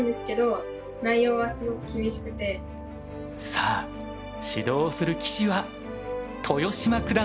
さあ指導をする棋士は豊島九段です。